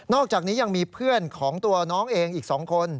อกจากนี้ยังมีเพื่อนของตัวน้องเองอีก๒คน